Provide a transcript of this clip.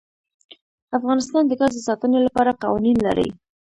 افغانستان د ګاز د ساتنې لپاره قوانین لري.